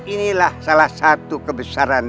inilah salah satu kebesaran